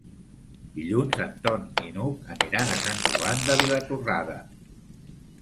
Dilluns en Ton i n'Hug aniran a Sant Joan de Vilatorrada.